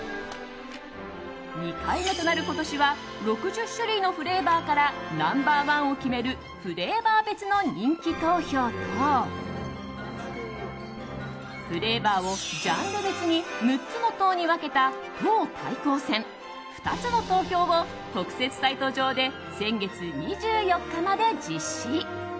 ２回目となる今年は６０種類のフレーバーからナンバー１を決めるフレーバー別の人気投票とフレーバーをジャンル別に６つの党に分けた党対抗戦、２つの投票を特設サイト上で先月２４日まで実施。